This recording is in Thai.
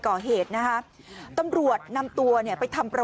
กลุ่มหนึ่งก็คือ